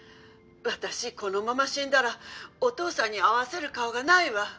私このまま死んだらお父さんに合わせる顔がないわ。